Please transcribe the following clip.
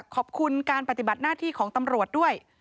ขอบคุณการปฏิบัติหน้าที่ของตำรวจด้วย